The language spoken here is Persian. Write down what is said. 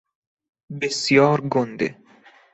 بسیار گنده